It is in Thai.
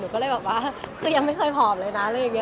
หนูก็เลยแบบว่าคือยังไม่เคยผอมเลยนะ